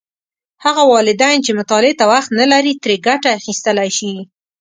هغه والدین چې مطالعې ته وخت نه لري، ترې ګټه اخیستلی شي.